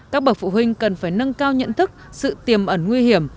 các bậc phụ huynh cần phải nâng cao nhận thức sự tiềm ẩn nguy hiểm